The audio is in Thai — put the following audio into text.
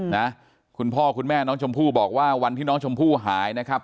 นะคุณพ่อคุณแม่น้องชมพู่บอกว่าวันที่น้องชมพู่หายนะครับ